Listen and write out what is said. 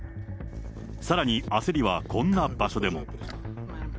さらに焦りはこんな場所でも。